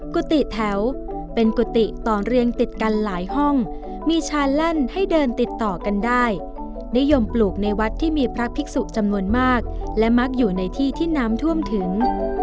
กุฏิแถวเป็นกุฏิตอนเรียงติดกันหลายห้องมีชานแล่นให้เดินติดต่อกันได้นิยมปลูกในวัดที่มีพระภิกษุจำนวนมากและมักอยู่ในที่ที่น้ำท่วมถึง